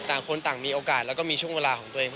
ต่างคนต่างมีโอกาสแล้วก็มีช่วงเวลาของตัวเอง